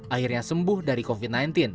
akhirnya sembuh dari covid sembilan belas